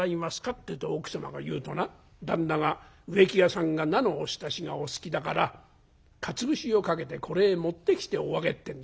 って奥様が言うとな旦那が『植木屋さんが菜のおひたしがお好きだからかつ節をかけてこれへ持ってきておあげ』ってんだよ。